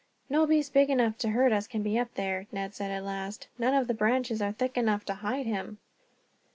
"No beast big enough to hurt us can be up there," Ned said at last. "None of the branches are thick enough to hide him.